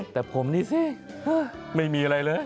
แต่ผมนี่สิไม่มีอะไรเลย